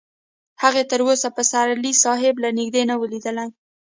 هغې تر اوسه پسرلي صاحب له نږدې نه و لیدلی